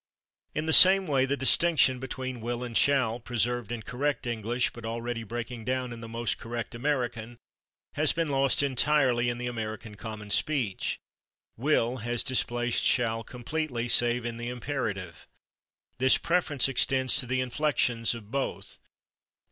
In the same way the distinction between /will/ and /shall/, preserved in correct English but already breaking down in the most correct American, has been lost entirely in the American common speech. /Will/ has displaced /shall/ completely, save in the imperative. This preference extends to the inflections of both.